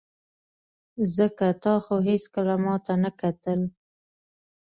ځکه تا خو هېڅکله ماته نه کتل.